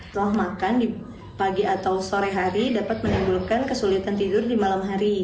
setelah makan di pagi atau sore hari dapat menimbulkan kesulitan tidur di malam hari